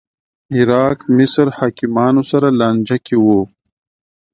عراق مصر حاکمانو سره لانجه کې و